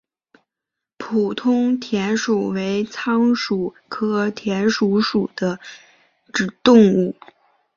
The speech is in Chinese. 普通田鼠为仓鼠科田鼠属的动物。